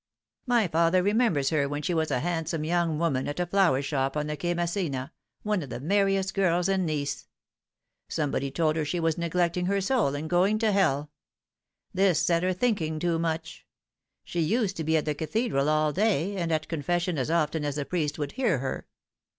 My father remembers her when she was a handsome young woman at a flower shop on the Quai Massena, one of the merriest girls in Nice. Somebody told her she was neglecting her soul and going to hell. This set her thinking too much. She used to be at the Cathedral all day, and at confession as often as the priest would hear her.